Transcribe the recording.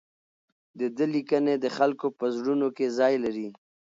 د ده لیکنې د خلکو په زړونو کې ځای لري.